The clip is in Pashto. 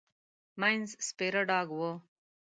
مينځ سپيره ډاګ و.